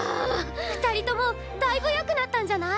二人ともだいぶ良くなったんじゃない？